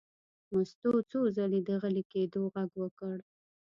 مستو څو ځلې د غلي کېدو غږ وکړ.